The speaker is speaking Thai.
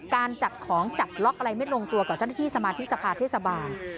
การจัดของจัดล็อกอะไรไม่ลงตัวกับเจ้าหน้าที่สมาธิกสภาเทศบาล